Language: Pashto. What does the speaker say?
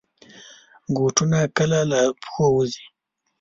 بوټونه کله له پښو وځي.